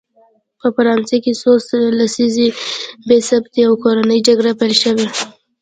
په فرانسه کې څو لسیزې بې ثباتي او کورنۍ جګړه پیل شوه.